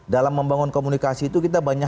dalam membangun komunikasi itu kita banyak